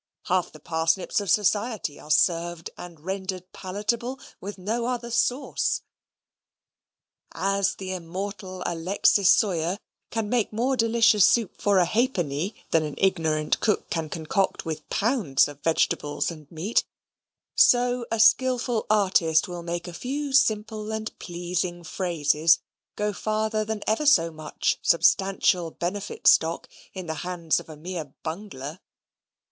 Half the parsnips of society are served and rendered palatable with no other sauce. As the immortal Alexis Soyer can make more delicious soup for a half penny than an ignorant cook can concoct with pounds of vegetables and meat, so a skilful artist will make a few simple and pleasing phrases go farther than ever so much substantial benefit stock in the hands of a mere bungler.